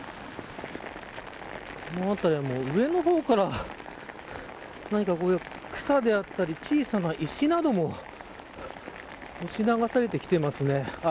この辺りは上の方から何か草であったり小さな石なども押し流されてきてますね。